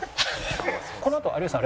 このあと有吉さん